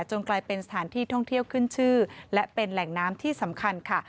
กลายเป็นสถานที่ท่องเที่ยวขึ้นชื่อและเป็นแหล่งน้ำที่สำคัญค่ะ